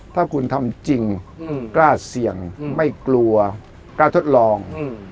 ถ้าคุณทำจริงกล้าเสี่ยงไม่กลัวกล้าทดลอง